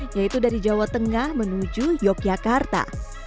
yaitu dari jawa tengah menuju yogyakarta